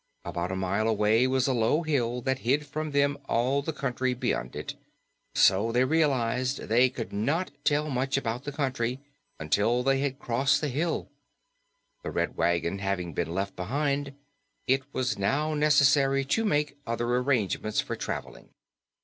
About a mile away was a low hill that hid from them all the country beyond it, so they realized they could not tell much about the country until they had crossed the hill. The Red Wagon having been left behind, it was now necessary to make other arrangements for traveling.